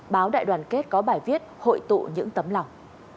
báo đại đoàn kết có bài viết hội tụ những tấm lòng